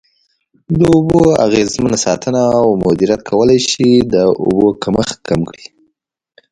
د اوبو اغیزمنه ساتنه او مدیریت کولای شي د اوبو کمښت کم کړي.